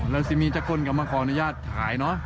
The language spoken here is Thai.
แล้วซิมีจะก้นกลับมาขออนุญาตถ่ายเนอะ